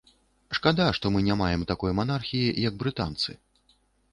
Шкада, што мы не маем такой манархіі, як брытанцы.